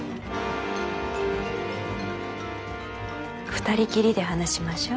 二人きりで話しましょう？